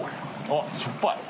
あっしょっぱい。